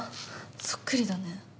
そっくりだね。